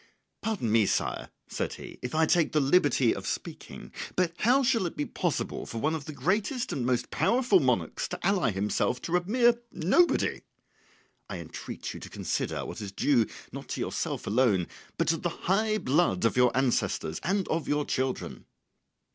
"Pardon me, Sire," said he, "if I take the liberty of speaking. But how shall it be possible for one of the greatest and most powerful monarchs to ally himself to a mere nobody? I entreat you to consider what is due not to yourself alone but to the high blood of your ancestors and of your children."